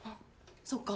そっか。